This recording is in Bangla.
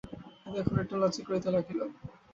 এতক্ষণে একটু লজ্জা করিতে লাগিল।